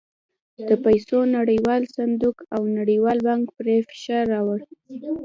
د پیسو نړیوال صندوق او نړیوال بانک پرې فشار راووړ.